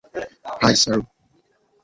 High, sir!